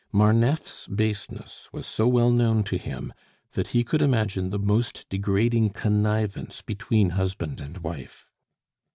Marneffe's baseness was so well known to him, that he could imagine the most degrading connivance between husband and wife.